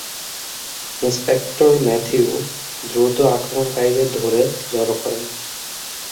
Inspector Matthew দ্রুত আক্রমণকারীদের ধরে জড়ো করেন।